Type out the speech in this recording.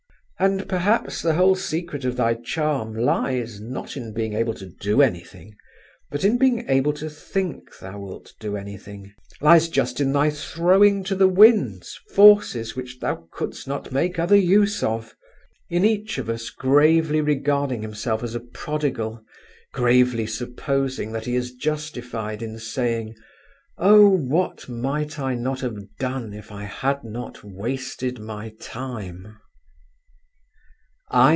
And, perhaps, the whole secret of thy charm lies, not in being able to do anything, but in being able to think thou wilt do anything; lies just in thy throwing to the winds, forces which thou couldst not make other use of; in each of us gravely regarding himself as a prodigal, gravely supposing that he is justified in saying, "Oh, what might I not have done if I had not wasted my time!"